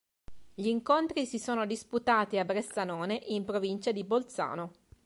Gli incontri si sono disputati a Bressanone in provincia di Bolzano.